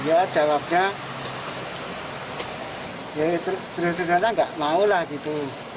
ya jawabnya ya itu serius seriusnya nggak mau lah gitu